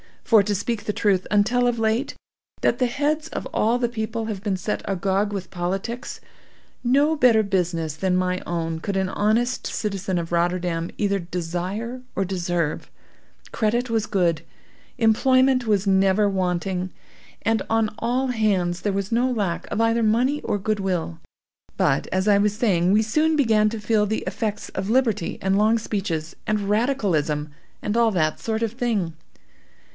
For, to speak the truth, until of late years, that the heads of all the people have been set agog with politics, no better business than my own could an honest citizen of Rotterdam either desire or deserve. Credit was good, employment was never wanting, and on all hands there was no lack of either money or good will. But, as I was saying, we soon began to feel the effects of liberty and long speeches, and radicalism, and all that sort of thing.